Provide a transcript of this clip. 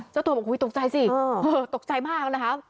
เจ้าตัวบอกตกใจสิตกใจมากนะคะ